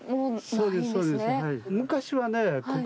そうです、そうです。